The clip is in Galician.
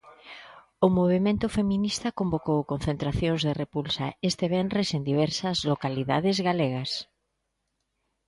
O movemento feminista convocou concentracións de repulsa este venres en diversas localidades galegas.